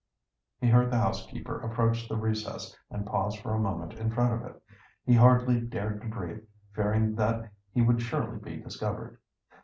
He heard the housekeeper approach the recess and pause for a moment in front of it. He hardly dared to breathe, fearing that he would surely be discovered.